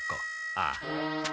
ああ。